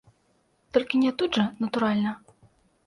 Толькі не тут жа, натуральна.